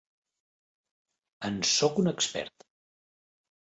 En sóc un expert.